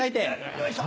よいしょ！